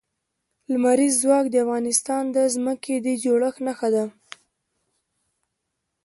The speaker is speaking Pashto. لمریز ځواک د افغانستان د ځمکې د جوړښت نښه ده.